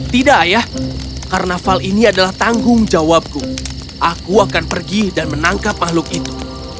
tidak ayah karnaval ini adalah tanggung jawabku aku akan pergi dan menangkap makhluk itu